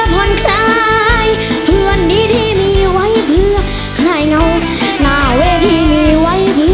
ไปตอนเช้าก็ได้